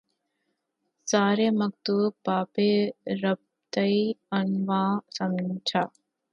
رازِ مکتوب بہ بے ربطیٴ عنواں سمجھا